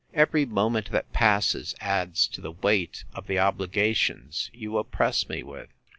Every moment that passes adds to the weight of the obligations you oppress me with.